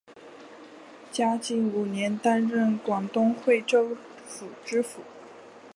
嘉靖五年担任广东惠州府知府。